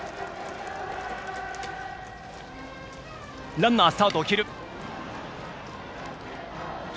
ランナースタートを切る。